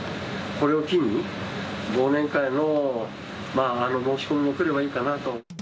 これを機に、忘年会の申し込みも来ればいいかなと。